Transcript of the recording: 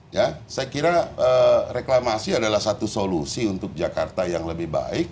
ya saya kira reklamasi adalah satu solusi untuk jakarta yang lebih baik